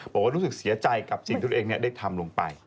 บอกว่ารู้สึกเสียใจกับสิ่งทุกคนเองเนี่ยได้ทำลงไป